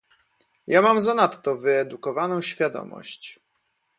"Ja mam zanadto wyedukowaną świadomość."